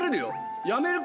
やめるか？